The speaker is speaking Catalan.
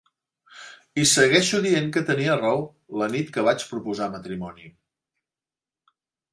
I segueixo dient que tenia raó la nit que vaig proposar matrimoni.